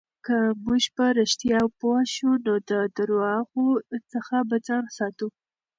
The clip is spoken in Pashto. که موږ په رښتیا پوه شو، نو د درواغو څخه به ځان ساتو.